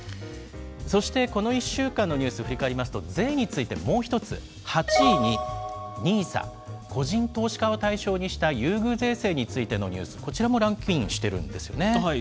そしてこの１週間のニュース、振り返りますと、税についてもう１つ、８位にＮＩＳＡ、個人投資家を対象にした優遇税制についてのニュース、こちらもランクインしそうなんです。